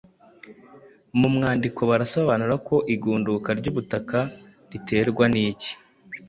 Mu mwandiko barasobanura ko igunduka ry’ubutaka riterwa n,iki